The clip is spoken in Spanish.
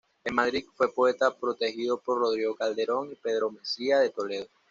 En Madrid fue poeta protegido por Rodrigo Calderón y Pedro Mesía de Toledo.